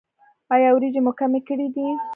ایا وریجې مو کمې کړي دي؟